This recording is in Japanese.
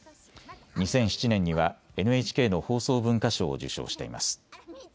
２００７年にはＮＨＫの放送文化賞を受賞しています。